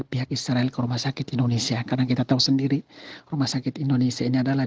pihak israel ke rumah sakit indonesia karena kita tahu sendiri rumah sakit indonesia ini adalah